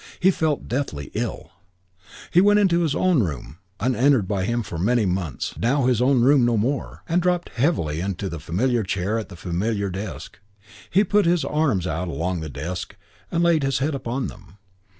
He felt deathly ill.... He went into his own room, unentered by him for many months, now his own room no more, and dropped heavily into the familiar chair at the familiar desk. He put his arms out along the desk and laid his head upon them.